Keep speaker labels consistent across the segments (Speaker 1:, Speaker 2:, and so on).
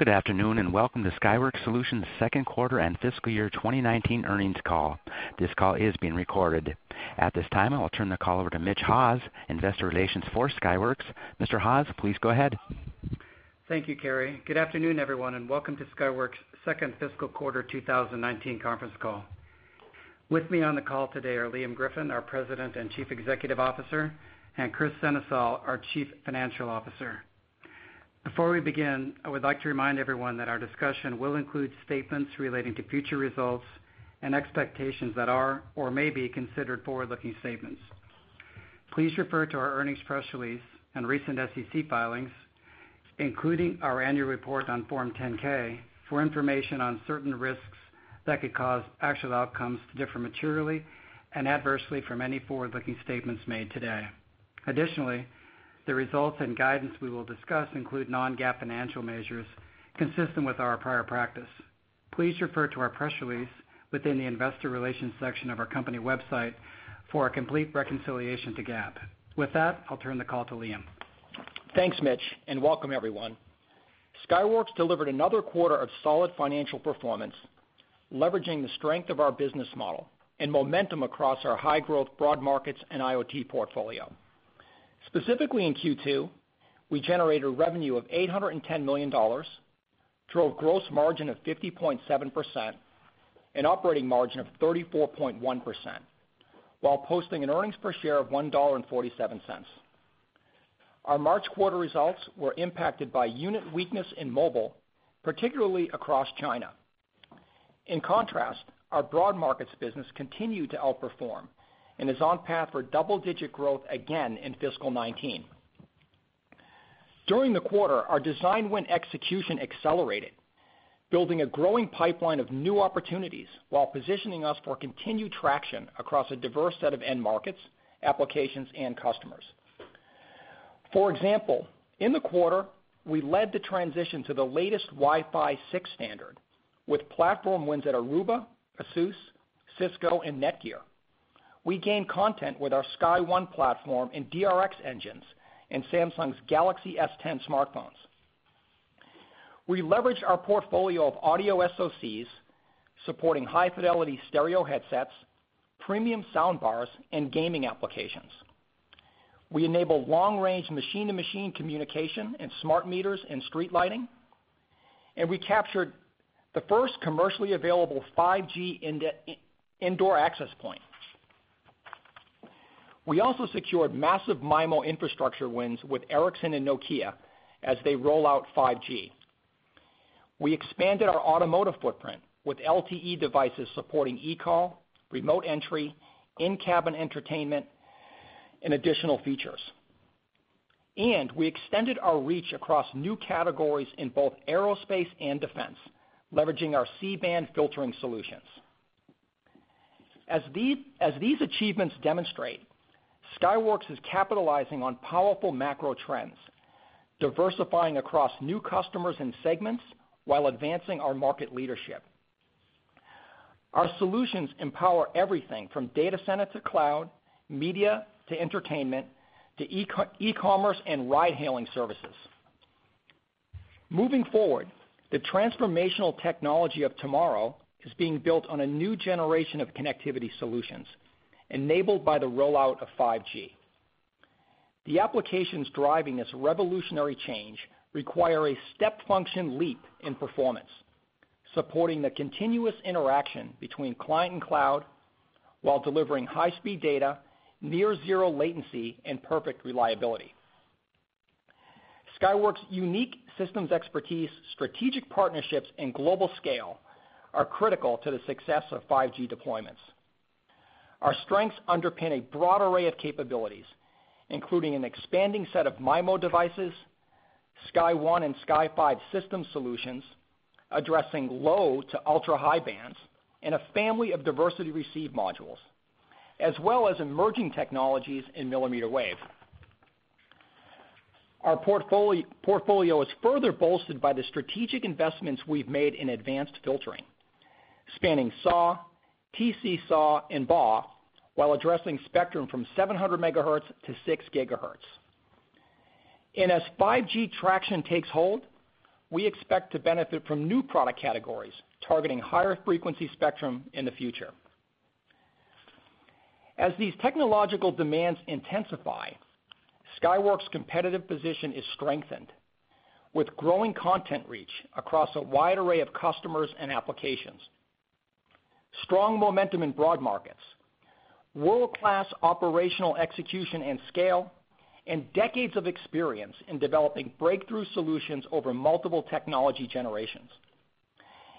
Speaker 1: Good afternoon, and welcome to Skyworks Solutions second quarter and fiscal year 2019 earnings call. This call is being recorded. At this time, I will turn the call over to Mitch Haws, investor relations for Skyworks. Mr. Haws, please go ahead.
Speaker 2: Thank you, Kerry. Welcome to Skyworks' second fiscal quarter 2019 conference call. With me on the call today are Liam Griffin, our President and Chief Executive Officer, and Kris Sennesael, our Chief Financial Officer. Before we begin, I would like to remind everyone that our discussion will include statements relating to future results and expectations that are or may be considered forward-looking statements. Please refer to our earnings press release and recent SEC filings, including our annual report on Form 10-K, for information on certain risks that could cause actual outcomes to differ materially and adversely from any forward-looking statements made today. The results and guidance we will discuss include non-GAAP financial measures consistent with our prior practice. Please refer to our press release within the investor relations section of our company website for a complete reconciliation to GAAP. With that, I'll turn the call to Liam.
Speaker 3: Thanks, Mitch. Welcome everyone. Skyworks delivered another quarter of solid financial performance, leveraging the strength of our business model and momentum across our high-growth broad markets and IoT portfolio. In Q2, we generated revenue of $810 million, drove gross margin of 50.7%, and operating margin of 34.1%, while posting an earnings per share of $1.47. Our March quarter results were impacted by unit weakness in mobile, particularly across China. In contrast, our broad markets business continued to outperform and is on path for double-digit growth again in fiscal 2019. During the quarter, our design win execution accelerated, building a growing pipeline of new opportunities while positioning us for continued traction across a diverse set of end markets, applications, and customers. In the quarter, we led the transition to the latest Wi-Fi 6 standard with platform wins at Aruba, Asus, Cisco, and Netgear. We gained content with our SkyOne platform and DRx engines in Samsung's Galaxy S10 smartphones. We leveraged our portfolio of audio SoCs, supporting high-fidelity stereo headsets, premium sound bars, and gaming applications. We enable long-range machine-to-machine communication in smart meters and street lighting, and we captured the first commercially available 5G indoor access point. We also secured massive MIMO infrastructure wins with Ericsson and Nokia as they roll out 5G. We expanded our automotive footprint with LTE devices supporting eCall, remote entry, in-cabin entertainment, and additional features. We extended our reach across new categories in both aerospace and defense, leveraging our C-band filtering solutions. As these achievements demonstrate, Skyworks is capitalizing on powerful macro trends, diversifying across new customers and segments while advancing our market leadership. Our solutions empower everything from data center to cloud, media to entertainment, to e-commerce and ride-hailing services. Moving forward, the transformational technology of tomorrow is being built on a new generation of connectivity solutions enabled by the rollout of 5G. The applications driving this revolutionary change require a step function leap in performance, supporting the continuous interaction between client and cloud while delivering high-speed data, near-zero latency, and perfect reliability. Skyworks' unique systems expertise, strategic partnerships, and global scale are critical to the success of 5G deployments. Our strengths underpin a broad array of capabilities, including an expanding set of MIMO devices, SkyOne and Sky5 system solutions addressing low to ultra-high bands and a family of diversity receive modules, as well as emerging technologies in millimeter wave. Our portfolio is further bolstered by the strategic investments we've made in advanced filtering, spanning SAW, TC-SAW, and BAW, while addressing spectrum from 700 megahertz to six gigahertz. As 5G traction takes hold, we expect to benefit from new product categories targeting higher frequency spectrum in the future. As these technological demands intensify, Skyworks' competitive position is strengthened with growing content reach across a wide array of customers and applications, strong momentum in broad markets, world-class operational execution and scale, and decades of experience in developing breakthrough solutions over multiple technology generations.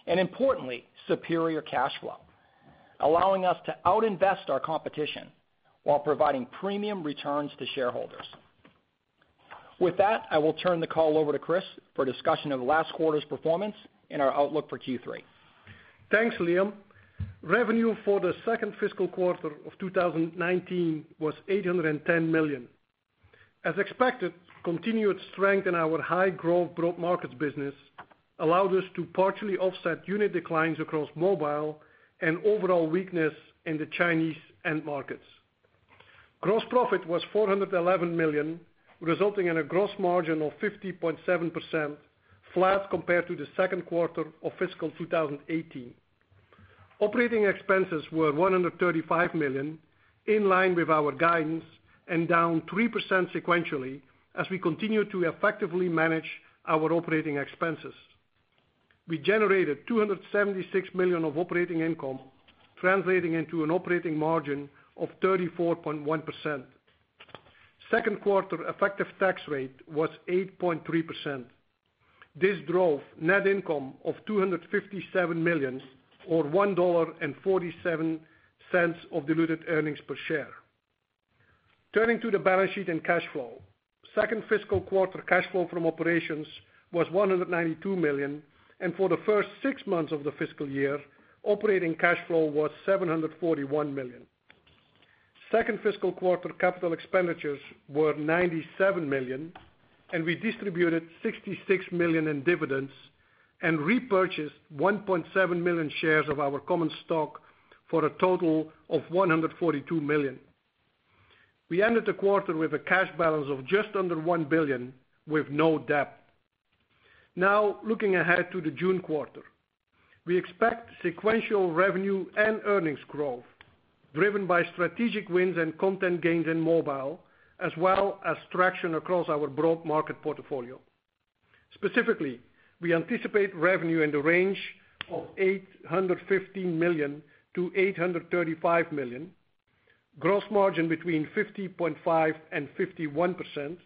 Speaker 3: Importantly, superior cash flow, allowing us to outinvest our competition while providing premium returns to shareholders. With that, I will turn the call over to Kris for a discussion of last quarter's performance and our outlook for Q3.
Speaker 4: Thanks, Liam. Revenue for the second fiscal quarter of 2019 was $810 million. As expected, continued strength in our high growth broad markets business allowed us to partially offset unit declines across mobile and overall weakness in the Chinese end markets. Gross profit was $411 million, resulting in a gross margin of 50.7%, flat compared to the second quarter of fiscal 2018. Operating expenses were $135 million, in line with our guidance and down 3% sequentially, as we continue to effectively manage our operating expenses. We generated $276 million of operating income, translating into an operating margin of 34.1%. Second quarter effective tax rate was 8.3%. This drove net income of $257 million, or $1.47 of diluted earnings per share. Turning to the balance sheet and cash flow. Second fiscal quarter cash flow from operations was $192 million. For the first six months of the fiscal year, operating cash flow was $741 million. Second fiscal quarter capital expenditures were $97 million, and we distributed $66 million in dividends and repurchased 1.7 million shares of our common stock for a total of $142 million. We ended the quarter with a cash balance of just under $1 billion, with no debt. Looking ahead to the June quarter. We expect sequential revenue and earnings growth driven by strategic wins and content gains in mobile, as well as traction across our broad market portfolio. Specifically, we anticipate revenue in the range of $815 million-$835 million, gross margin between 50.5% and 51%,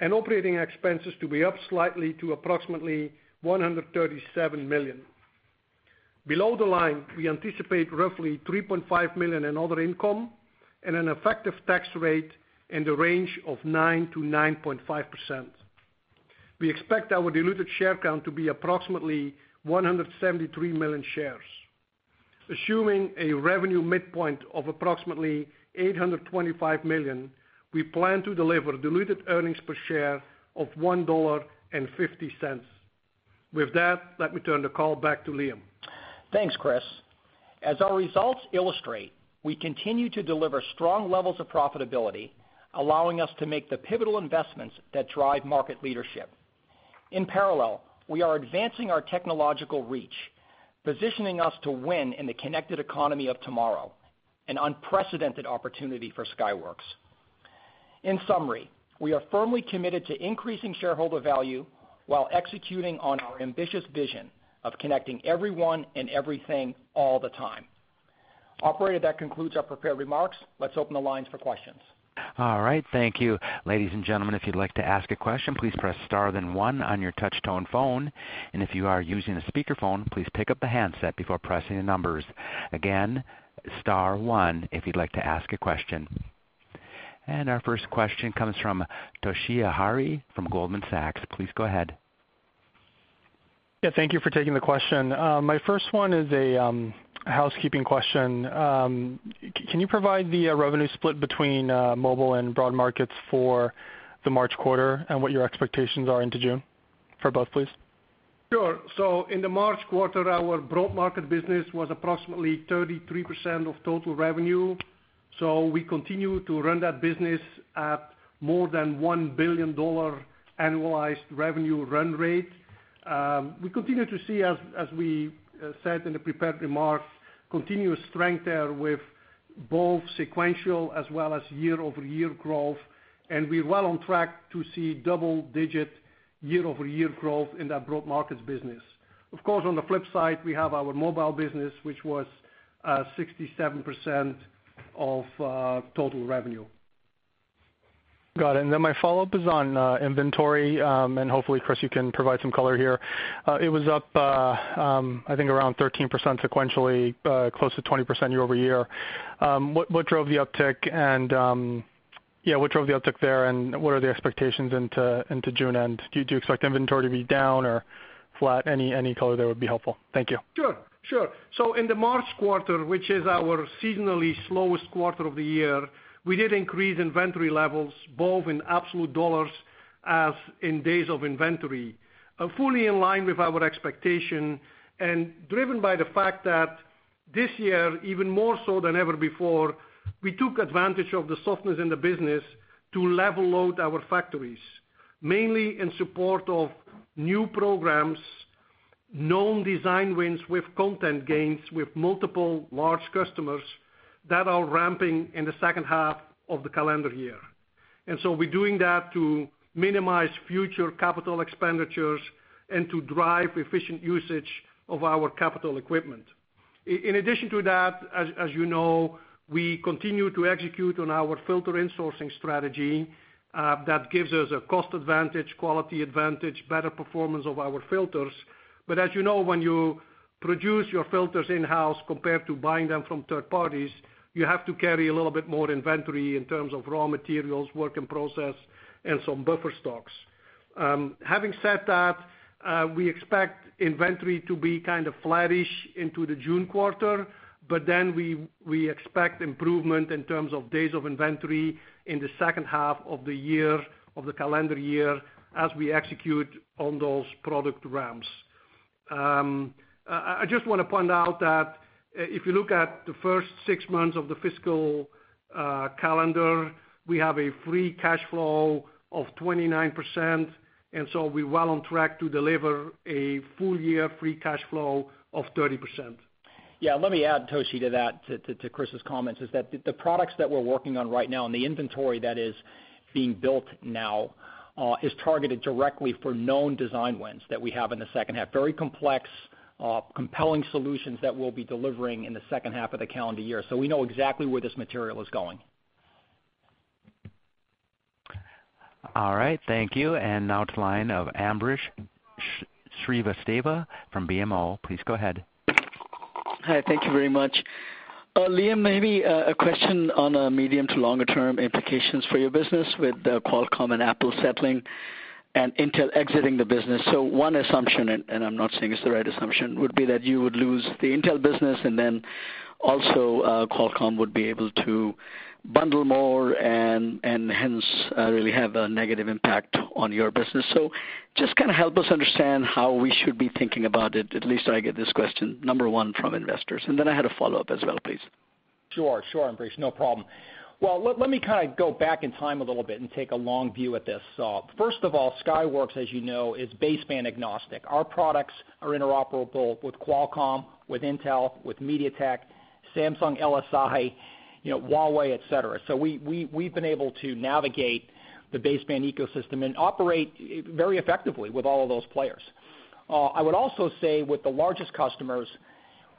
Speaker 4: and operating expenses to be up slightly to approximately $137 million. Below the line, we anticipate $3.5 million in other income and an effective tax rate in the range of 9%-9.5%. We expect our diluted share count to be approximately 173 million shares. Assuming a revenue midpoint of approximately $825 million, we plan to deliver diluted earnings per share of $1.50. Let me turn the call back to Liam.
Speaker 3: Thanks, Kris. As our results illustrate, we continue to deliver strong levels of profitability, allowing us to make the pivotal investments that drive market leadership. In parallel, we are advancing our technological reach, positioning us to win in the connected economy of tomorrow, an unprecedented opportunity for Skyworks. We are firmly committed to increasing shareholder value while executing on our ambitious vision of connecting everyone and everything all the time. Operator, that concludes our prepared remarks. Let's open the lines for questions.
Speaker 1: Thank you. Ladies and gentlemen, if you'd like to ask a question, please press * then one on your touch tone phone. If you are using a speakerphone, please pick up the handset before pressing the numbers. * one if you'd like to ask a question. Our first question comes from Toshiya Hari from Goldman Sachs. Please go ahead.
Speaker 5: Thank you for taking the question. My first one is a housekeeping question. Can you provide the revenue split between mobile and broad markets for the March quarter, and what your expectations are into June for both, please?
Speaker 4: Sure. In the March quarter, our broad market business was approximately 33% of total revenue. We continue to run that business at more than $1 billion annualized revenue run rate. We continue to see, as we said in the prepared remarks, continuous strength there with both sequential as well as year-over-year growth, and we're well on track to see double-digit year-over-year growth in that broad markets business. Of course, on the flip side, we have our mobile business, which was 67% of total revenue.
Speaker 5: Got it. My follow-up is on inventory, and hopefully, Kris, you can provide some color here. It was up, I think around 13% sequentially, close to 20% year-over-year. What drove the uptick there, and what are the expectations into June end? Do you expect inventory to be down or flat? Any color there would be helpful. Thank you.
Speaker 4: Sure. In the March quarter, which is our seasonally slowest quarter of the year, we did increase inventory levels both in absolute dollars as in days of inventory, fully in line with our expectation and driven by the fact that this year, even more so than ever before, we took advantage of the softness in the business to level load our factories, mainly in support of new programs, known design wins with content gains with multiple large customers that are ramping in the second half of the calendar year. We're doing that to minimize future capital expenditures and to drive efficient usage of our capital equipment. In addition to that, as you know, we continue to execute on our filter insourcing strategy. That gives us a cost advantage, quality advantage, better performance of our filters. As you know, when you produce your filters in-house compared to buying them from third parties, you have to carry a little bit more inventory in terms of raw materials, work in process, and some buffer stocks. Having said that, we expect inventory to be kind of flattish into the June quarter. We expect improvement in terms of days of inventory in the second half of the calendar year as we execute on those product ramps. I just want to point out that if you look at the first six months of the fiscal calendar, we have a free cash flow of 29%. We're well on track to deliver a full-year free cash flow of 30%.
Speaker 3: Yeah. Let me add, Toshi, to that, to Kris' comments, is that the products that we're working on right now and the inventory that is being built now is targeted directly for known design wins that we have in the second half. Very complex, compelling solutions that we'll be delivering in the second half of the calendar year. We know exactly where this material is going.
Speaker 1: All right, thank you. Now to the line of Ambrish Srivastava from BMO. Please go ahead.
Speaker 6: Hi. Thank you very much. Liam, maybe a question on medium to longer term implications for your business with Qualcomm and Apple settling and Intel exiting the business. One assumption, and I'm not saying it's the right assumption, would be that you would lose the Intel business. Also Qualcomm would be able to bundle more and hence really have a negative impact on your business. Just kind of help us understand how we should be thinking about it. At least I get this question, number 1, from investors. I had a follow-up as well, please.
Speaker 3: Sure, Ambrish. No problem. Well, let me kind of go back in time a little bit and take a long view at this. First of all, Skyworks, as you know, is baseband agnostic. Our products are interoperable with Qualcomm, with Intel, with MediaTek, Samsung LSI, Huawei, et cetera. We've been able to navigate the baseband ecosystem and operate very effectively with all of those players. I would also say with the largest customers,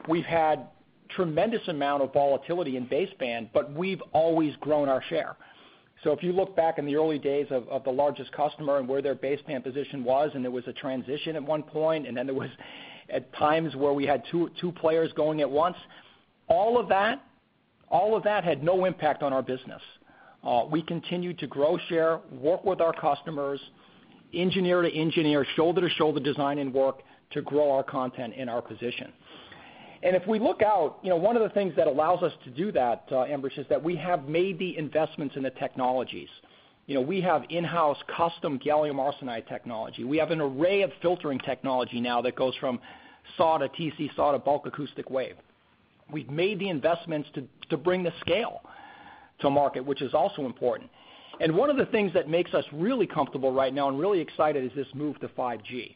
Speaker 3: we've had tremendous amount of volatility in baseband, but we've always grown our share. If you look back in the early days of the largest customer and where their baseband position was, and there was a transition at one point, and then there was at times where we had two players going at once. All of that had no impact on our business. We continued to grow share, work with our customers, engineer to engineer, shoulder to shoulder design and work to grow our content and our position. If we look out, one of the things that allows us to do that, Ambrish, is that we have made the investments in the technologies. We have in-house custom gallium arsenide technology. We have an array of filtering technology now that goes from SAW to TC-SAW to bulk acoustic wave. We've made the investments to bring the scale to market, which is also important. One of the things that makes us really comfortable right now and really excited is this move to 5G.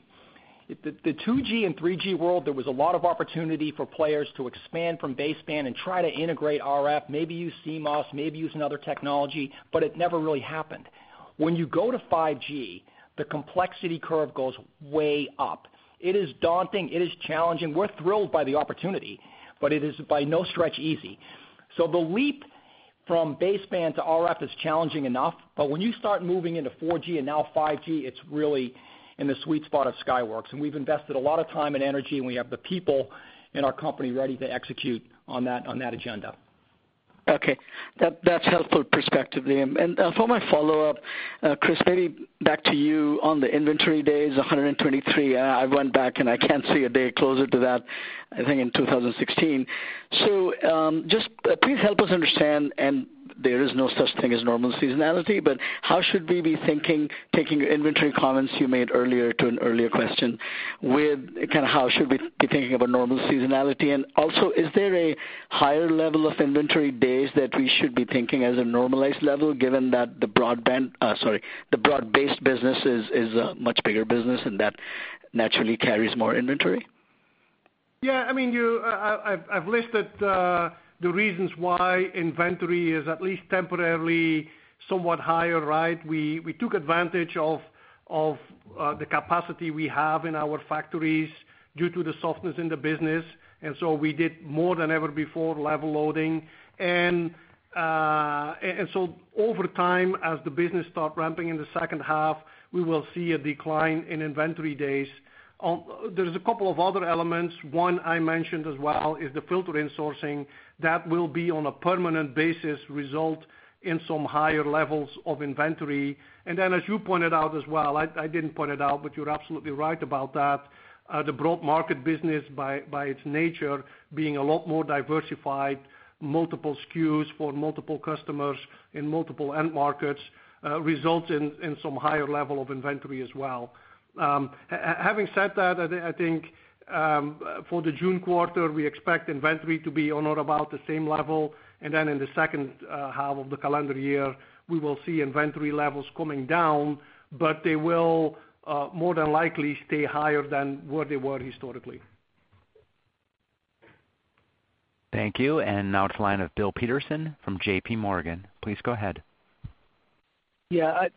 Speaker 3: The 2G and 3G world, there was a lot of opportunity for players to expand from baseband and try to integrate RF, maybe use CMOS, maybe use another technology, but it never really happened. When you go to 5G, the complexity curve goes way up. It is daunting. It is challenging. We're thrilled by the opportunity, but it is by no stretch easy. The leap from baseband to RF is challenging enough, but when you start moving into 4G and now 5G, it's really in the sweet spot of Skyworks. We've invested a lot of time and energy, and we have the people in our company ready to execute on that agenda.
Speaker 6: Okay. That's helpful perspective, Liam. For my follow-up, Kris, maybe back to you on the inventory days, 123. I went back, and I can't see a day closer to that, I think in 2016. Just please help us understand, and there is no such thing as normal seasonality, but how should we be thinking, taking inventory comments you made earlier to an earlier question with kind of how should we be thinking about normal seasonality? Also, is there a higher level of inventory days that we should be thinking as a normalized level, given that the broad-based business is a much bigger business and that naturally carries more inventory?
Speaker 4: Yeah. I've listed the reasons why inventory is at least temporarily somewhat higher, right? We took advantage of the capacity we have in our factories due to the softness in the business, and so we did more than ever before level loading. Over time, as the business start ramping in the second half, we will see a decline in inventory days. There's a couple of other elements. One I mentioned as well is the filtering sourcing that will be on a permanent basis result in some higher levels of inventory. As you pointed out as well, I didn't point it out, but you're absolutely right about that. The broad market business, by its nature, being a lot more diversified, multiple SKUs for multiple customers in multiple end markets, results in some higher level of inventory as well. Having said that, I think for the June quarter, we expect inventory to be on or about the same level, and then in the second half of the calendar year, we will see inventory levels coming down, but they will more than likely stay higher than where they were historically.
Speaker 1: Thank you. Now to the line of Bill Peterson from JPMorgan. Please go ahead.
Speaker 7: Yeah.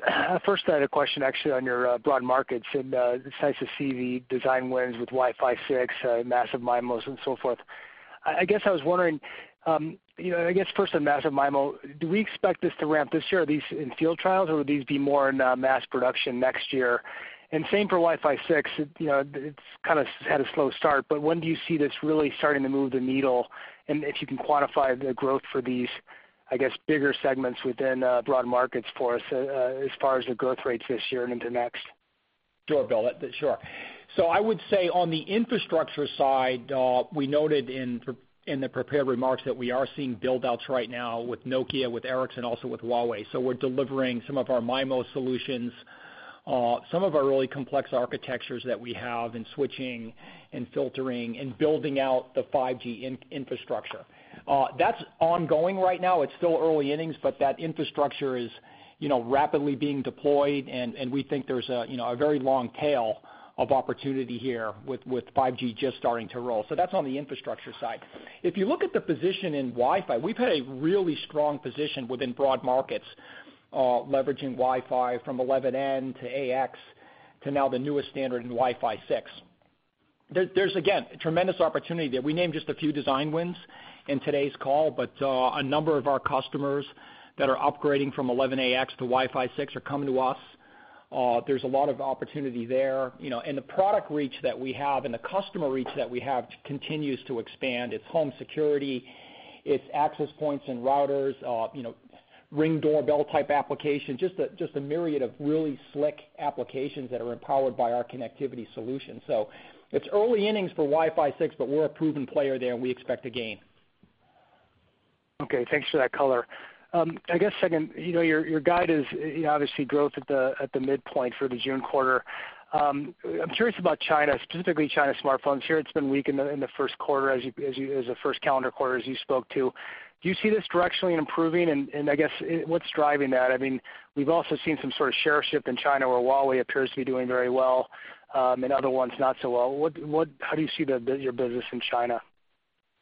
Speaker 7: First, I had a question actually on your broad markets, and it's nice to see the design wins with Wi-Fi 6, massive MIMOs and so forth. I guess I was wondering, first on massive MIMO, do we expect this to ramp this year? Are these in field trials, or would these be more in mass production next year? Same for Wi-Fi 6. It's kind of had a slow start, but when do you see this really starting to move the needle? If you can quantify the growth for these, I guess, bigger segments within broad markets for us as far as the growth rates this year and into next.
Speaker 3: Sure, Bill. Sure. I would say on the infrastructure side, we noted in the prepared remarks that we are seeing build-outs right now with Nokia, with Ericsson, also with Huawei. We're delivering some of our MIMO solutions, some of our really complex architectures that we have in switching and filtering and building out the 5G infrastructure. That's ongoing right now. It's still early innings, but that infrastructure is rapidly being deployed, and we think there's a very long tail of opportunity here with 5G just starting to roll. That's on the infrastructure side. If you look at the position in Wi-Fi, we've had a really strong position within broad markets, leveraging Wi-Fi from 802.11n to ax to now the newest standard in Wi-Fi 6. There's, again, tremendous opportunity there. We named just a few design wins in today's call, but a number of our customers that are upgrading from 802.11ax to Wi-Fi 6 are coming to us. There's a lot of opportunity there. The product reach that we have and the customer reach that we have continues to expand. It's home security, it's access points and routers, Ring doorbell-type application, just a myriad of really slick applications that are empowered by our connectivity solution. It's early innings for Wi-Fi 6, but we're a proven player there, and we expect to gain.
Speaker 7: Okay. Thanks for that color. I guess, second, your guide is obviously growth at the midpoint for the June quarter. I'm curious about China, specifically China smartphones. Sure, it's been weak in the first calendar quarter, as you spoke to. Do you see this directionally improving, and I guess, what's driving that? We've also seen some sort of share shift in China, where Huawei appears to be doing very well, and other ones not so well. How do you see your business in China?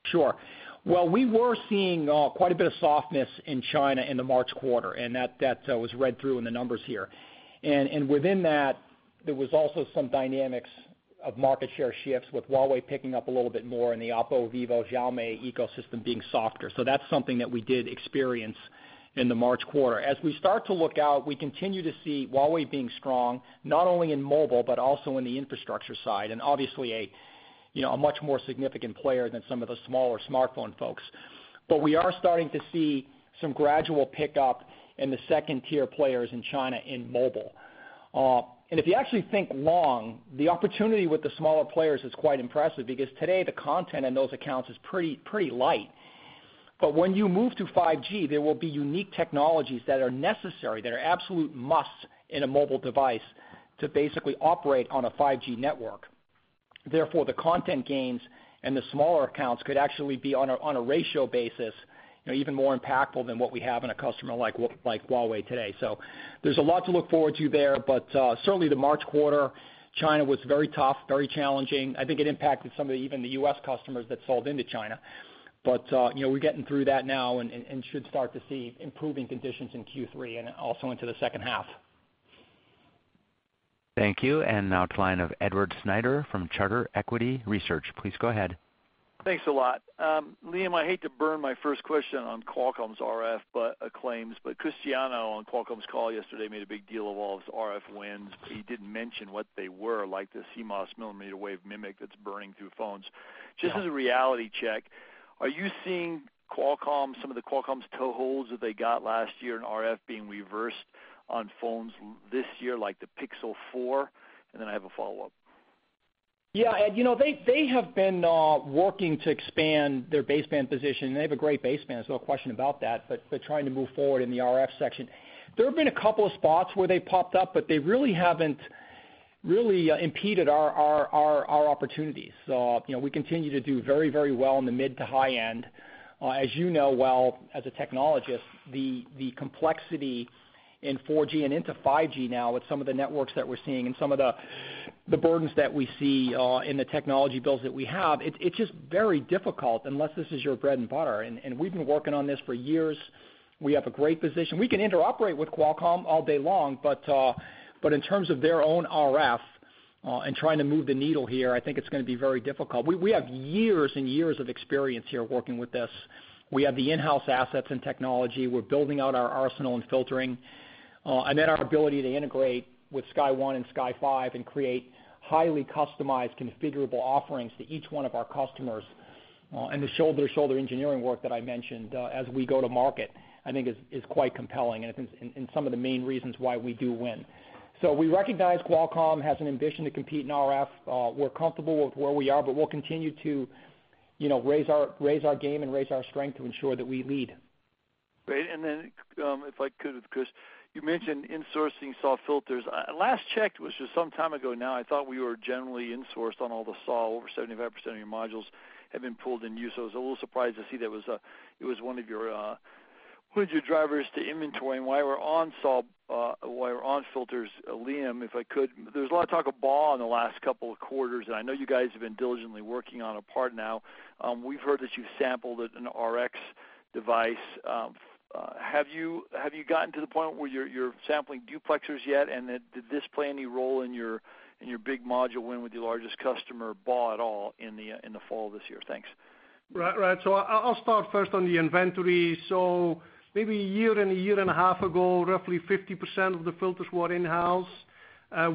Speaker 3: Sure. Well, we were seeing quite a bit of softness in China in the March quarter, and that was read through in the numbers here. Within that, there was also some dynamics of market share shifts with Huawei picking up a little bit more and the Oppo, Vivo, Xiaomi ecosystem being softer. That's something that we did experience in the March quarter. As we start to look out, we continue to see Huawei being strong, not only in mobile, but also in the infrastructure side, and obviously a much more significant player than some of the smaller smartphone folks. We are starting to see some gradual pickup in the 2-tier players in China in mobile. If you actually think long, the opportunity with the smaller players is quite impressive because today the content in those accounts is pretty light. When you move to 5G, there will be unique technologies that are necessary, that are absolute musts in a mobile device to basically operate on a 5G network. Therefore, the content gains in the smaller accounts could actually be, on a ratio basis, even more impactful than what we have in a customer like Huawei today. There's a lot to look forward to there, but certainly the March quarter, China was very tough, very challenging. I think it impacted some of even the U.S. customers that sold into China. We're getting through that now and should start to see improving conditions in Q3 and also into the second half.
Speaker 1: Thank you. Now to line of Edward Snyder from Charter Equity Research. Please go ahead.
Speaker 8: Thanks a lot. Liam, I hate to burn my first question on Qualcomm's RF claims, Cristiano on Qualcomm's call yesterday made a big deal of all his RF wins, he didn't mention what they were, like the CMOS millimeter wave MMIC that's burning through phones.
Speaker 3: Yeah.
Speaker 8: Just as a reality check, are you seeing some of the Qualcomm's toeholds that they got last year in RF being reversed on phones this year, like the Pixel 4? Then I have a follow-up.
Speaker 3: Yeah, Ed, they have been working to expand their baseband position. They have a great baseband, there's no question about that, but trying to move forward in the RF section. There have been a couple of spots where they popped up, but they really haven't impeded our opportunities. We continue to do very well in the mid to high end. As you know well as a technologist, the complexity in 4G and into 5G now with some of the networks that we're seeing and some of the burdens that we see in the technology builds that we have, it's just very difficult unless this is your bread and butter. We've been working on this for years. We have a great position. We can interoperate with Qualcomm all day long, but in terms of their own RF and trying to move the needle here, I think it's going to be very difficult. We have years and years of experience here working with this. We have the in-house assets and technology. We're building out our arsenal and filtering. Our ability to integrate with SkyOne and Sky5 and create highly customized configurable offerings to each one of our customers, and the shoulder-to-shoulder engineering work that I mentioned as we go to market, I think is quite compelling and some of the main reasons why we do win. We recognize Qualcomm has an ambition to compete in RF. We're comfortable with where we are, but we'll continue to raise our game and raise our strength to ensure that we lead.
Speaker 8: Great. If I could, Kris, you mentioned insourcing SAW filters. Last checked, which was some time ago now, I thought we were generally insourced on all the SAW, over 75% of your modules have been pooled in use, so I was a little surprised to see that it was one of your drivers to inventory. While we're on filters, Liam, if I could, there's a lot of talk of BAW in the last couple of quarters, and I know you guys have been diligently working on a part now. We've heard that you sampled it in an RX device. Have you gotten to the point where you're sampling duplexers yet, and did this play any role in your big module win with your largest customer, BAW, at all in the fall of this year? Thanks.
Speaker 4: Right. I'll start first on the inventory. Maybe a year and a year and a half ago, roughly 50% of the filters were in-house.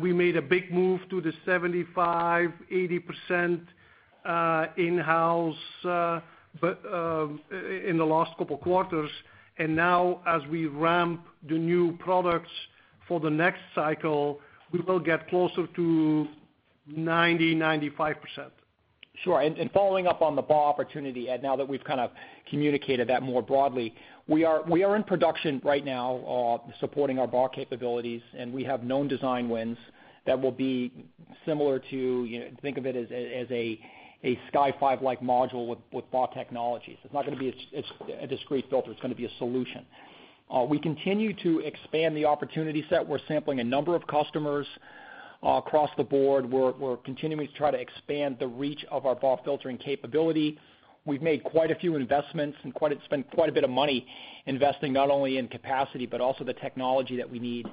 Speaker 4: We made a big move to the 75%-80% in-house in the last couple of quarters. Now as we ramp the new products for the next cycle, we will get closer to 90%-95%.
Speaker 3: Sure. Following up on the BAW opportunity, Ed, now that we've kind of communicated that more broadly, we are in production right now, supporting our BAW capabilities, and we have known design wins that will be similar to, think of it as a Sky5 like module with BAW technologies. It's not going to be a discrete filter. It's going to be a solution. We continue to expand the opportunity set. We're sampling a number of customers across the board. We're continuing to try to expand the reach of our BAW filtering capability. We've made quite a few investments and spent quite a bit of money investing not only in capacity, but also the technology that we need.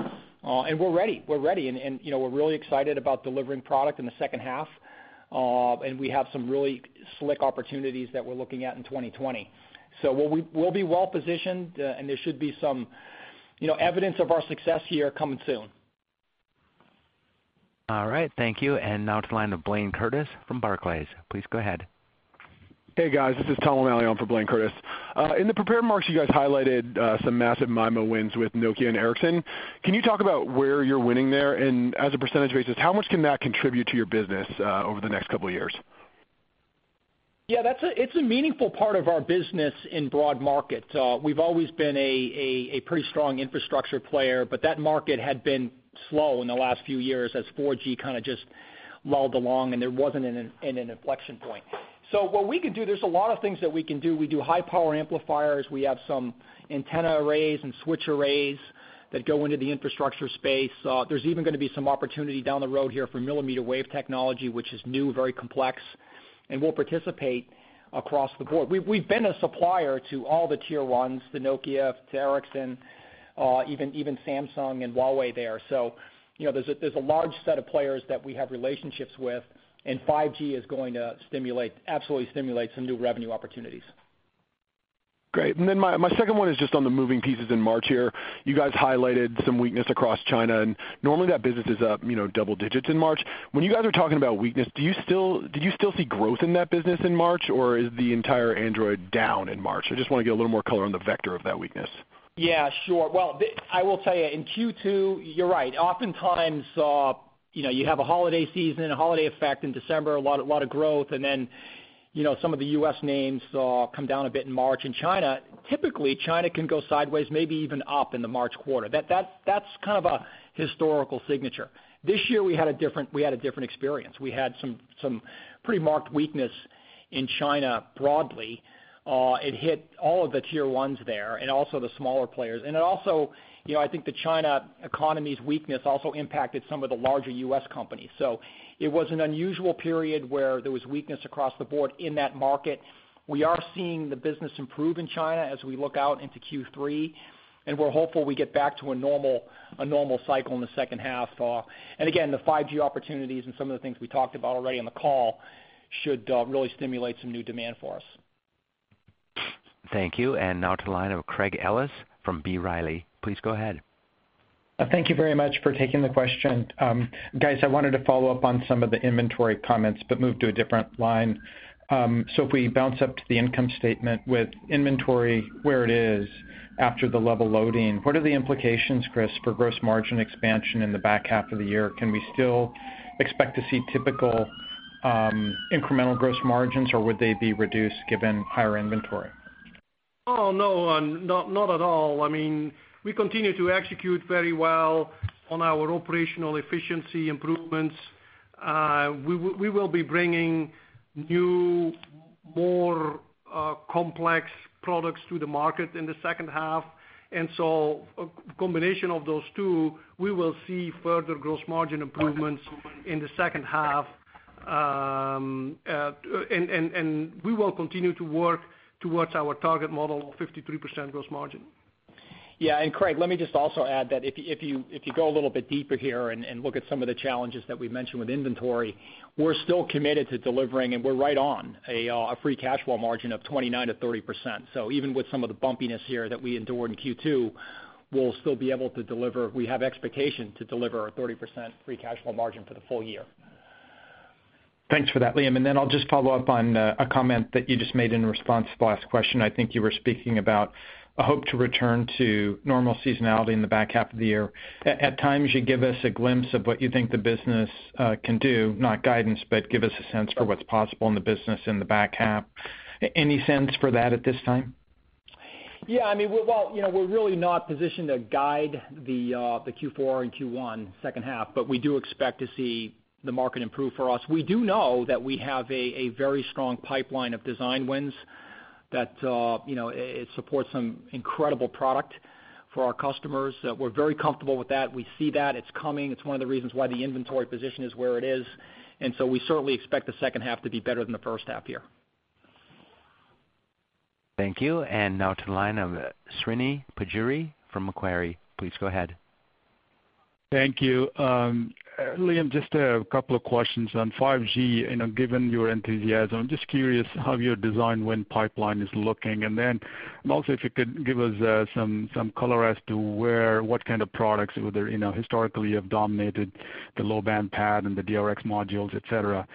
Speaker 3: We're ready. We're ready, and we're really excited about delivering product in the second half. We have some really slick opportunities that we're looking at in 2020. We'll be well-positioned, and there should be some evidence of our success here coming soon.
Speaker 1: All right, thank you. Now to the line of Blayne Curtis from Barclays. Please go ahead.
Speaker 9: Hey, guys, this is Tom O'Malley on for Blayne Curtis. In the prepared remarks, you guys highlighted some massive MIMO wins with Nokia and Ericsson. Can you talk about where you're winning there? As a percentage basis, how much can that contribute to your business over the next couple of years?
Speaker 3: Yeah, it's a meaningful part of our business in broad market. We've always been a pretty strong infrastructure player, but that market had been slow in the last few years as 4G kind of just lulled along, and there wasn't an inflection point. What we can do, there's a lot of things that we can do. We do high-power amplifiers. We have some antenna arrays and switch arrays that go into the infrastructure space. There's even going to be some opportunity down the road here for millimeter wave technology, which is new, very complex, and we'll participate across the board. We've been a supplier to all the tier 1s, the Nokia, to Ericsson, even Samsung and Huawei there. There's a large set of players that we have relationships with, and 5G is going to absolutely stimulate some new revenue opportunities.
Speaker 9: Great. My second one is just on the moving pieces in March here. You guys highlighted some weakness across China, and normally that business is up double digits in March. When you guys are talking about weakness, did you still see growth in that business in March, or is the entire Android down in March? I just want to get a little more color on the vector of that weakness.
Speaker 3: Yeah, sure. Well, I will tell you in Q2, you're right. Oftentimes, you have a holiday season, a holiday effect in December, a lot of growth, and then some of the U.S. names come down a bit in March. In China, typically, China can go sideways, maybe even up in the March quarter. That's kind of a historical signature. This year, we had a different experience. We had some pretty marked weakness in China broadly. It hit all of the tier 1s there and also the smaller players. It also, I think the China economy's weakness also impacted some of the larger U.S. companies. It was an unusual period where there was weakness across the board in that market. We are seeing the business improve in China as we look out into Q3, and we're hopeful we get back to a normal cycle in the second half. Again, the 5G opportunities and some of the things we talked about already on the call should really stimulate some new demand for us.
Speaker 1: Thank you. Now to the line of Craig Ellis from B. Riley. Please go ahead.
Speaker 10: Thank you very much for taking the question. Guys, I wanted to follow up on some of the inventory comments, move to a different line. If we bounce up to the income statement with inventory where it is after the level loading, what are the implications, Kris,, for gross margin expansion in the back half of the year? Can we still expect to see typical incremental gross margins, would they be reduced given higher inventory?
Speaker 4: Oh, no, not at all. We continue to execute very well on our operational efficiency improvements. We will be bringing new, more complex products to the market in the second half. A combination of those two, we will see further gross margin improvements in the second half. We will continue to work towards our target model of 53% gross margin.
Speaker 3: Yeah. Craig, let me just also add that if you go a little bit deeper here look at some of the challenges that we mentioned with inventory, we're still committed to delivering, we're right on a free cash flow margin of 29%-30%. Even with some of the bumpiness here that we endured in Q2, we'll still be able to deliver. We have expectation to deliver a 30% free cash flow margin for the full year.
Speaker 10: Thanks for that, Liam. I'll just follow up on a comment that you just made in response to the last question. I think you were speaking about a hope to return to normal seasonality in the back half of the year. At times, you give us a glimpse of what you think the business can do, not guidance, but give us a sense for what's possible in the business in the back half. Any sense for that at this time?
Speaker 3: Yeah. We're really not positioned to guide the Q4 and Q1 second half, we do expect to see the market improve for us. We do know that we have a very strong pipeline of design wins that it supports some incredible product for our customers. We're very comfortable with that. We see that. It's coming. It's one of the reasons why the inventory position is where it is. We certainly expect the second half to be better than the first half year.
Speaker 1: Thank you. To the line of Srini Pajjuri from Macquarie. Please go ahead.
Speaker 11: Thank you. Liam, just a couple of questions on 5G. Given your enthusiasm, just curious how your design win pipeline is looking. Also, if you could give us some color as to what kind of products, historically you have dominated the low-band PAD and the DRx modules, et cetera.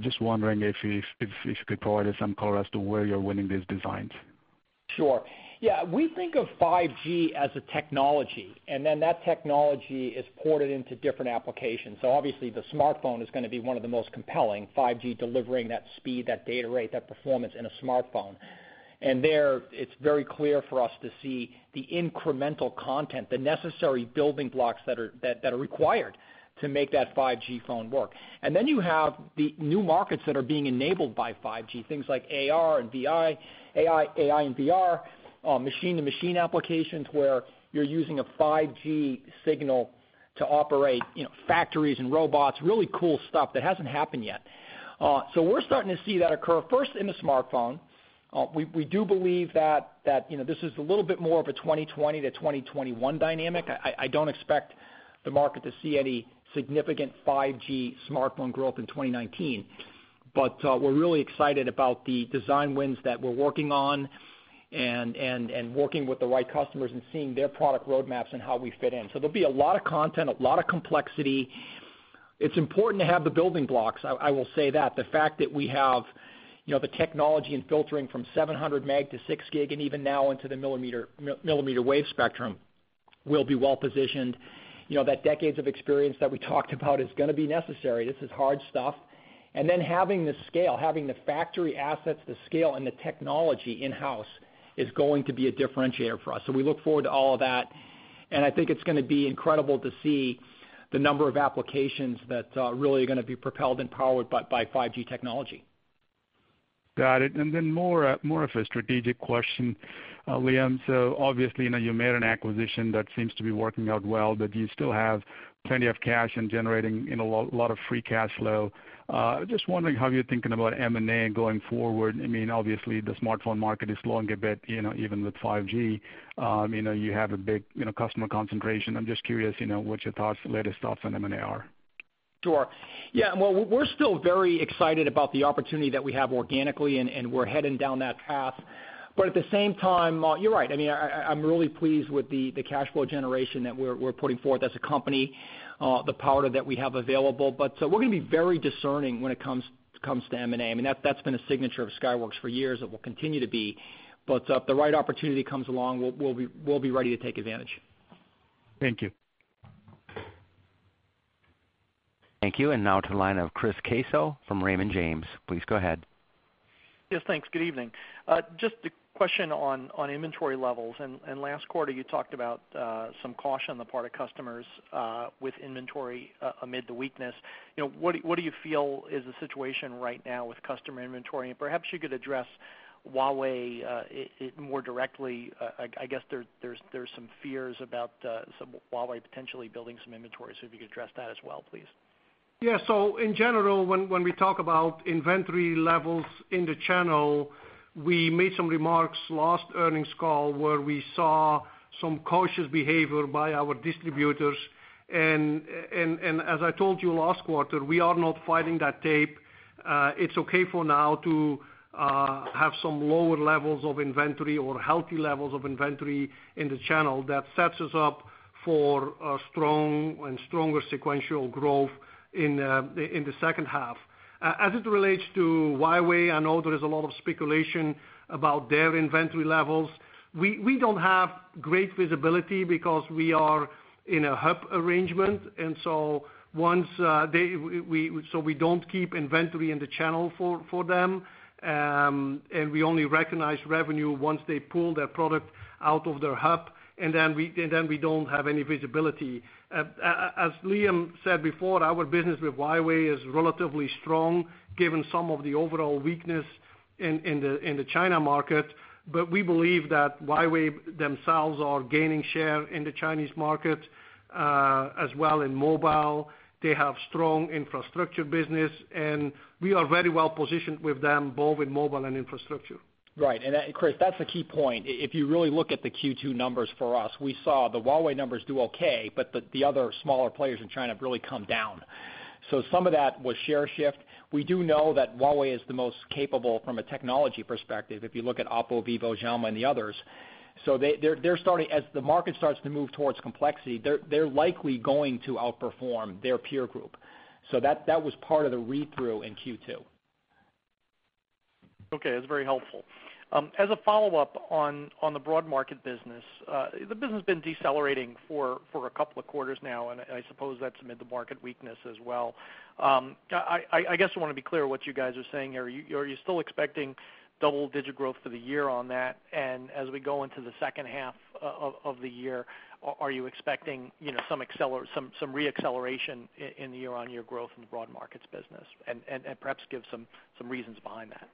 Speaker 11: Just wondering if you could provide us some color as to where you're winning these designs.
Speaker 3: Sure. Yeah, we think of 5G as a technology, that technology is ported into different applications. Obviously the smartphone is going to be one of the most compelling, 5G delivering that speed, that data rate, that performance in a smartphone. There, it's very clear for us to see the incremental content, the necessary building blocks that are required to make that 5G phone work. You have the new markets that are being enabled by 5G, things like AR and VR, AI and VR, machine-to-machine applications where you're using a 5G signal to operate factories and robots. Really cool stuff that hasn't happened yet. We're starting to see that occur first in the smartphone. We do believe that this is a little bit more of a 2020 to 2021 dynamic. I don't expect the market to see any significant 5G smartphone growth in 2019. We're really excited about the design wins that we're working on and working with the right customers and seeing their product roadmaps and how we fit in. There'll be a lot of content, a lot of complexity. It's important to have the building blocks, I will say that. The fact that we have the technology and filtering from 700 meg to 6 gig and even now into the millimeter wave spectrum, we'll be well-positioned. That decades of experience that we talked about is going to be necessary. This is hard stuff. Having the scale, having the factory assets, the scale, and the technology in-house is going to be a differentiator for us. We look forward to all of that, and I think it's going to be incredible to see the number of applications that really are going to be propelled and powered by 5G technology.
Speaker 11: Got it. More of a strategic question, Liam. Obviously, you made an acquisition that seems to be working out well, but you still have plenty of cash and generating a lot of free cash flow. Just wondering how you're thinking about M&A going forward. Obviously, the smartphone market is slowing a bit, even with 5G. You have a big customer concentration. I'm just curious, what your thoughts, latest thoughts on M&A are.
Speaker 3: Sure. Yeah. Well, we're still very excited about the opportunity that we have organically, and we're heading down that path. At the same time, you're right. I'm really pleased with the cash flow generation that we're putting forth as a company, the powder that we have available. We're going to be very discerning when it comes to M&A. That's been a signature of Skyworks for years and will continue to be. If the right opportunity comes along, we'll be ready to take advantage.
Speaker 11: Thank you.
Speaker 1: Thank you. Now to the line of Chris Caso from Raymond James. Please go ahead.
Speaker 12: Yes, thanks. Good evening. Just a question on inventory levels. Last quarter, you talked about some caution on the part of customers with inventory amid the weakness. What do you feel is the situation right now with customer inventory? Perhaps you could address Huawei more directly. I guess there's some fears about Huawei potentially building some inventory. If you could address that as well, please.
Speaker 4: Yeah. In general, when we talk about inventory levels in the channel, we made some remarks last earnings call where we saw some cautious behavior by our distributors. As I told you last quarter, we are not fighting that tape. It's okay for now to have some lower levels of inventory or healthy levels of inventory in the channel. That sets us up for a strong and stronger sequential growth in the second half. As it relates to Huawei, I know there is a lot of speculation about their inventory levels. We don't have great visibility because we are in a hub arrangement. We don't keep inventory in the channel for them, and we only recognize revenue once they pull their product out of their hub, then we don't have any visibility. As Liam said before, our business with Huawei is relatively strong given some of the overall weakness in the China market. We believe that Huawei themselves are gaining share in the Chinese market, as well in mobile. They have strong infrastructure business, and we are very well positioned with them, both in mobile and infrastructure.
Speaker 3: Right. Chris, that's the key point. If you really look at the Q2 numbers for us, we saw the Huawei numbers do okay, but the other smaller players in China have really come down. Some of that was share shift. We do know that Huawei is the most capable from a technology perspective, if you look at Oppo, Vivo, Xiaomi, and the others. As the market starts to move towards complexity, they're likely going to outperform their peer group. That was part of the read-through in Q2.
Speaker 12: Okay. That's very helpful. As a follow-up on the broad market business, the business has been decelerating for a couple of quarters now, I suppose that's amid the market weakness as well. I guess I want to be clear what you guys are saying here. Are you still expecting double-digit growth for the year on that? As we go into the second half of the year, are you expecting some re-acceleration in the year-over-year growth in the broad markets business? Perhaps give some reasons behind that.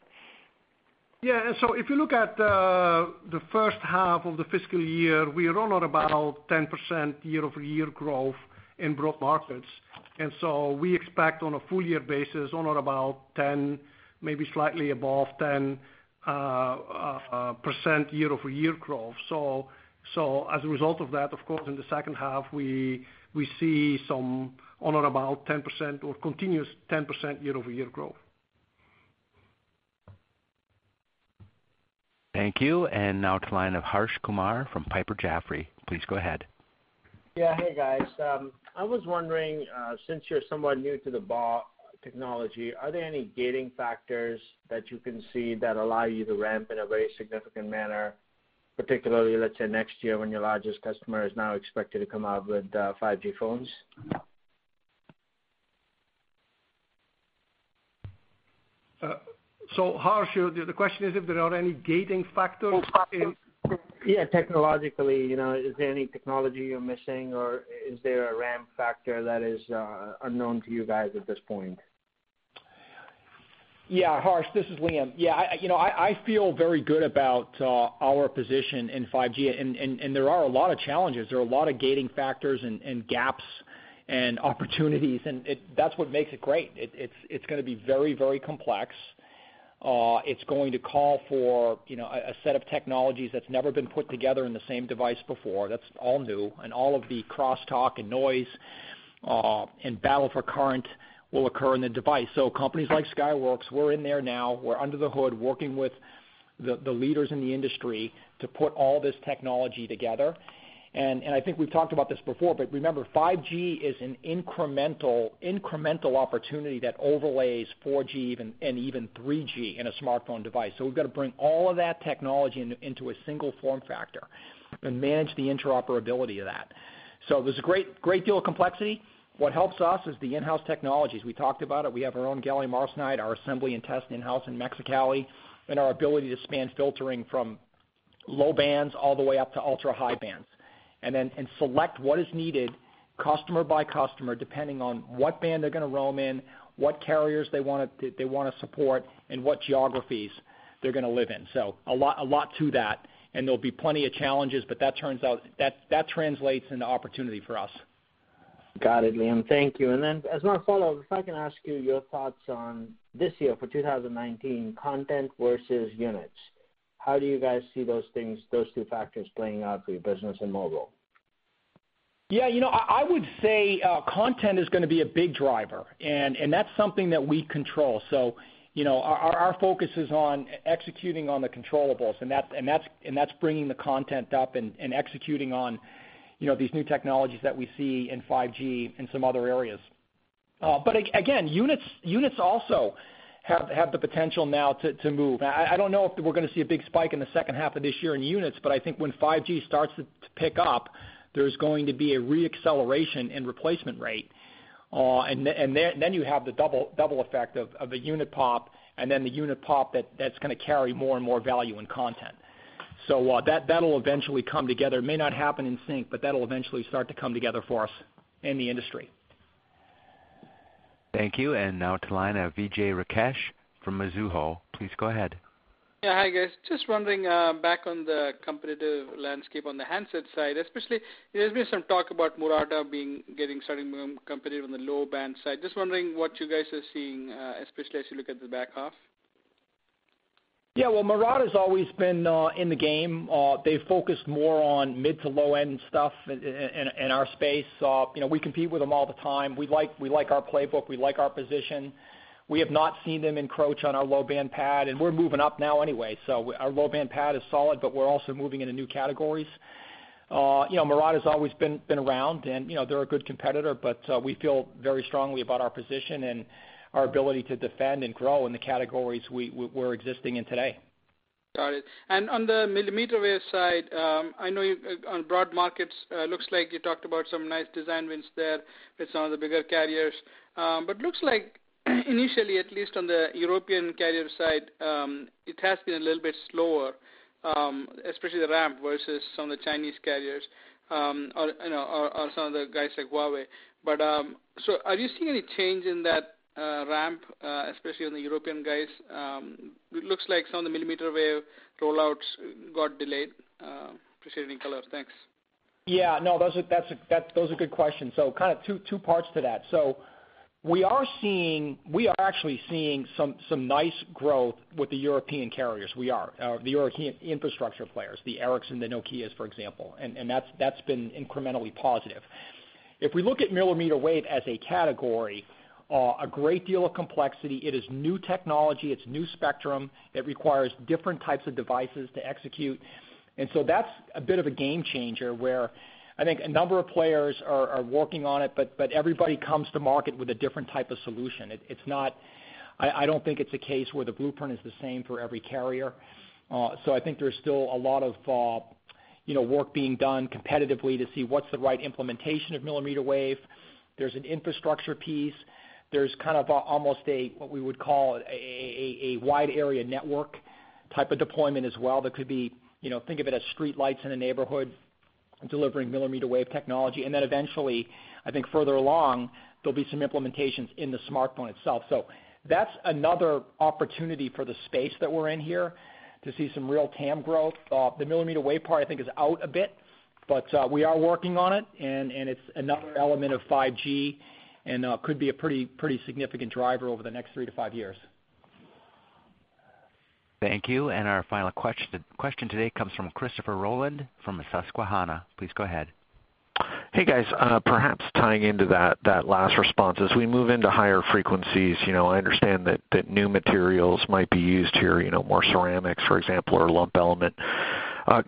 Speaker 4: Yeah. If you look at the first half of the fiscal year, we are on about 10% year-over-year growth in broad markets. We expect on a full year basis on or about 10, maybe slightly above 10% year-over-year growth. As a result of that, of course, in the second half, we see some on or about 10% or continuous 10% year-over-year growth.
Speaker 1: Thank you. Now to the line of Harsh Kumar from Piper Jaffray. Please go ahead.
Speaker 13: Yeah. Hey, guys. I was wondering, since you're somewhat new to the BAW technology, are there any gating factors that you can see that allow you to ramp in a very significant manner, particularly, let's say, next year when your largest customer is now expected to come out with 5G phones?
Speaker 4: Harsh, the question is if there are any gating factors.
Speaker 13: Yeah. Technologically, is there any technology you're missing or is there a ramp factor that is unknown to you guys at this point?
Speaker 3: Yeah, Harsh, this is Liam. Yeah. I feel very good about our position in 5G. There are a lot of challenges. There are a lot of gating factors and gaps and opportunities, and that's what makes it great. It's going to be very complex. It's going to call for a set of technologies that's never been put together in the same device before. That's all new, and all of the crosstalk and noise, and battle for current will occur in the device. Companies like Skyworks, we're in there now. We're under the hood working with the leaders in the industry to put all this technology together. I think we've talked about this before, remember, 5G is an incremental opportunity that overlays 4G and even 3G in a smartphone device. We've got to bring all of that technology into a single form factor and manage the interoperability of that. There's a great deal of complexity. What helps us is the in-house technologies. We talked about it. We have our own gallium arsenide, our assembly and test in-house in Mexicali, and our ability to span filtering from low bands all the way up to ultra-high bands. Select what is needed customer by customer, depending on what band they're going to roam in, what carriers they want to support, and what geographies they're going to live in. A lot to that, there'll be plenty of challenges, but that translates into opportunity for us.
Speaker 13: Got it, Liam. Thank you. As my follow-up, if I can ask you your thoughts on this year for 2019, content versus units. How do you guys see those things, those two factors playing out for your business in mobile?
Speaker 3: Yeah. I would say content is going to be a big driver, and that's something that we control. Our focus is on executing on the controllables, and that's bringing the content up and executing on these new technologies that we see in 5G and some other areas. Again, units also have the potential now to move. I don't know if we're going to see a big spike in the second half of this year in units, but I think when 5G starts to pick up, there's going to be a re-acceleration in replacement rate. You have the double effect of a unit pop, and then the unit pop that's going to carry more and more value in content. That'll eventually come together. It may not happen in sync, but that'll eventually start to come together for us and the industry.
Speaker 1: Thank you. Now to the line of Vijay Rakesh from Mizuho. Please go ahead.
Speaker 14: Hi, guys. Just wondering, back on the competitive landscape on the handset side, especially, there's been some talk about Murata getting certain competitive on the low-band side. Just wondering what you guys are seeing, especially as you look at the back half.
Speaker 3: Murata's always been in the game. They focus more on mid to low-end stuff in our space. We compete with them all the time. We like our playbook. We like our position. We have not seen them encroach on our low-band PAD, and we're moving up now anyway. Our low-band PAD is solid, but we're also moving into new categories. Murata's always been around, and they're a good competitor, but we feel very strongly about our position and our ability to defend and grow in the categories we're existing in today.
Speaker 14: Got it. On the millimeter wave side, I know on broad markets, looks like you talked about some nice design wins there with some of the bigger carriers. Looks like initially, at least on the European carrier side, it has been a little bit slower, especially the ramp versus some of the Chinese carriers, or some of the guys like Huawei. Are you seeing any change in that ramp, especially on the European guys? It looks like some of the millimeter wave rollouts got delayed. Appreciate any color. Thanks.
Speaker 3: No, those are good questions. Kind of two parts to that. We are actually seeing some nice growth with the European carriers. We are. The European infrastructure players, the Ericssons, the Nokias, for example, and that's been incrementally positive. If we look at millimeter wave as a category, a great deal of complexity. It is new technology. It's new spectrum. It requires different types of devices to execute. That's a bit of a game changer where I think a number of players are working on it, but everybody comes to market with a different type of solution. I don't think it's a case where the blueprint is the same for every carrier. I think there's still a lot of work being done competitively to see what's the right implementation of millimeter wave. There's an infrastructure piece. There's kind of almost what we would call a wide area network type of deployment as well. Think of it as streetlights in a neighborhood delivering millimeter wave technology. Eventually, I think further along, there'll be some implementations in the smartphone itself. That's another opportunity for the space that we're in here to see some real TAM growth. The millimeter wave part I think is out a bit, but we are working on it, and it's another element of 5G and could be a pretty significant driver over the next three to five years.
Speaker 1: Thank you. Our final question today comes from Christopher Rowland from Susquehanna. Please go ahead.
Speaker 15: Hey, guys. Perhaps tying into that last response, as we move into higher frequencies, I understand that new materials might be used here, more ceramics, for example, or lump element.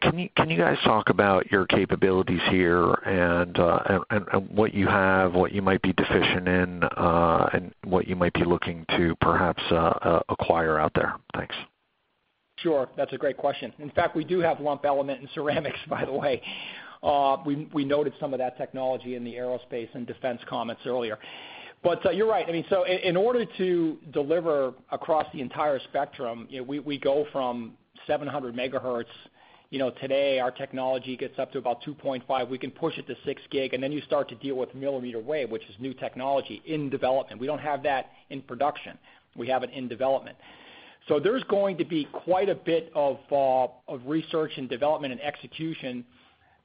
Speaker 15: Can you guys talk about your capabilities here and what you have, what you might be deficient in, and what you might be looking to perhaps acquire out there? Thanks.
Speaker 3: Sure. That's a great question. In fact, we do have lump element in ceramics, by the way. We noted some of that technology in the aerospace and defense comments earlier. You're right, in order to deliver across the entire spectrum, we go from 700 MHz, today our technology gets up to about 2.5, we can push it to 6 GHz, and then you start to deal with millimeter wave, which is new technology in development. We don't have that in production. We have it in development. There's going to be quite a bit of research and development and execution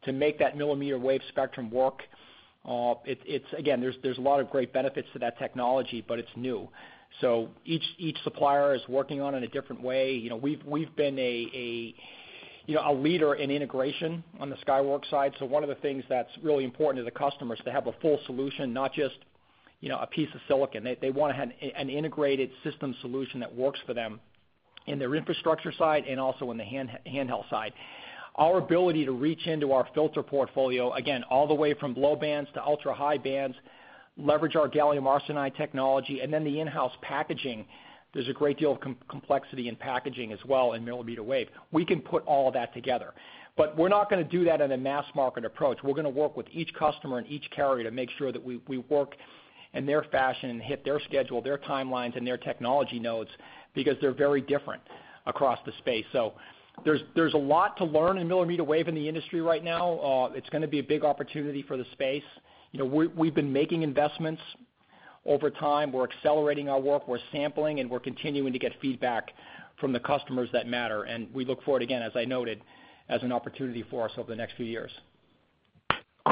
Speaker 3: to make that millimeter wave spectrum work. Again, there's a lot of great benefits to that technology, but it's new. Each supplier is working on it a different way. We've been a leader in integration on the Skyworks side. One of the things that's really important to the customers, they have a full solution, not just a piece of silicon. They want an integrated system solution that works for them in their infrastructure side and also in the handheld side. Our ability to reach into our filter portfolio, again, all the way from low bands to ultra-high bands, leverage our gallium arsenide technology, and then the in-house packaging, there's a great deal of complexity in packaging as well in millimeter wave. We can put all of that together. We're not going to do that in a mass market approach. We're going to work with each customer and each carrier to make sure that we work in their fashion and hit their schedule, their timelines, and their technology nodes, because they're very different across the space. There's a lot to learn in millimeter wave in the industry right now. It's going to be a big opportunity for the space. We've been making investments over time. We're accelerating our work, we're sampling, and we're continuing to get feedback from the customers that matter, and we look forward, again, as I noted, as an opportunity for us over the next few years.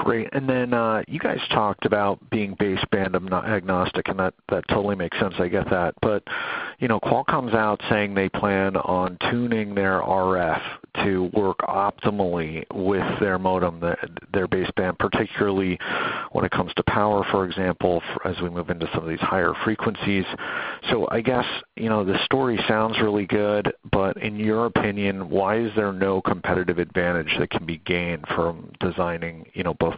Speaker 15: Great. Then you guys talked about being baseband agnostic, and that totally makes sense. I get that. Qualcomm's out saying they plan on tuning their RF to work optimally with their modem, their baseband, particularly when it comes to power, for example, as we move into some of these higher frequencies. I guess, the story sounds really good, but in your opinion, why is there no competitive advantage that can be gained from designing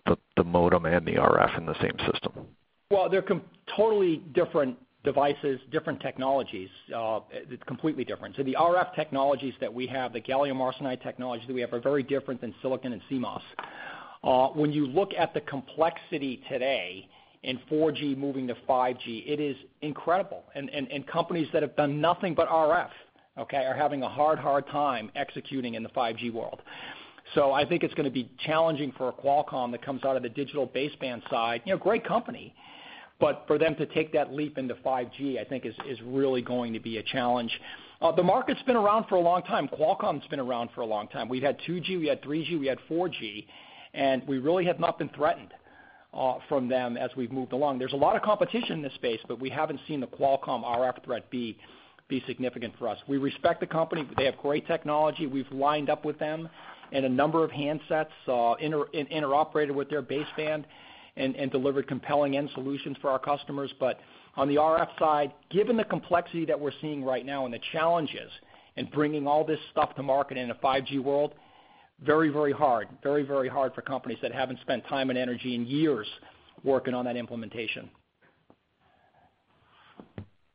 Speaker 15: both the modem and the RF in the same system?
Speaker 3: They're totally different devices, different technologies. It's completely different. The RF technologies that we have, the gallium arsenide technology that we have, are very different than silicon and CMOS. When you look at the complexity today in 4G moving to 5G, it is incredible. Companies that have done nothing but RF, okay, are having a hard time executing in the 5G world. I think it's going to be challenging for a Qualcomm that comes out of the digital baseband side. Great company, but for them to take that leap into 5G, I think, is really going to be a challenge. The market's been around for a long time. Qualcomm's been around for a long time. We've had 2G, we had 3G, we had 4G, we really have not been threatened from them as we've moved along. There's a lot of competition in this space, we haven't seen the Qualcomm RF threat be significant for us. We respect the company. They have great technology. We've lined up with them in a number of handsets, interoperated with their baseband, delivered compelling end solutions for our customers. On the RF side, given the complexity that we're seeing right now and the challenges in bringing all this stuff to market in a 5G world, very hard for companies that haven't spent time and energy and years working on that implementation.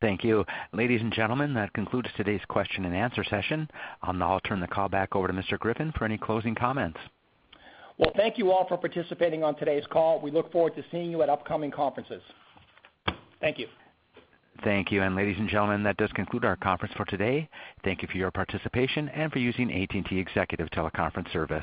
Speaker 1: Thank you. Ladies and gentlemen, that concludes today's question and answer session. I'll now turn the call back over to Mr. Griffin for any closing comments.
Speaker 3: Thank you all for participating on today's call. We look forward to seeing you at upcoming conferences. Thank you.
Speaker 1: Thank you. Ladies and gentlemen, that does conclude our conference for today. Thank you for your participation and for using AT&T Executive Teleconference Service.